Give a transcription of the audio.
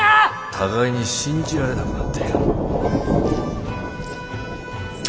互いに信じられなくなっている。